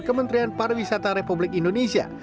kementerian pariwisata republik indonesia